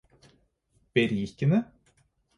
berikende